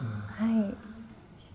はい。